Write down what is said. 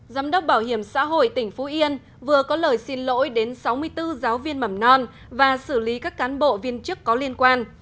giám đốc bảo hiểm xã hội tỉnh phú yên vừa có lời xin lỗi đến sáu mươi bốn giáo viên mầm non và xử lý các cán bộ viên chức có liên quan